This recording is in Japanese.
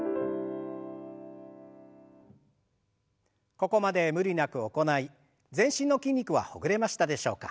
ここまで無理なく行い全身の筋肉はほぐれましたでしょうか。